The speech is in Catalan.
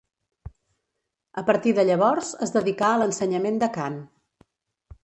A partir de llavors es dedicà a l'ensenyament de cant.